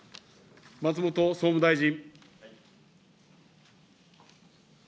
松本総務大臣。